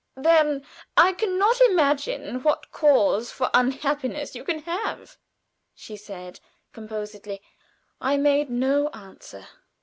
"Then I can not imagine what cause for unhappiness you can have," she said, composedly. I made no answer.